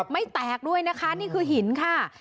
ไม่แตกด้วยนะคะนี่คือหินค่ะ